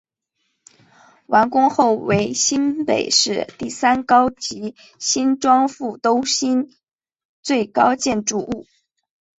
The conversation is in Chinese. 完工后为新北市第三高及新庄副都心最高建筑物。